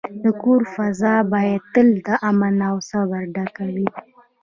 د کور فضا باید تل د امن او صبر ډکه وي.